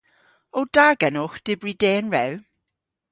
O da genowgh dybri dehen rew?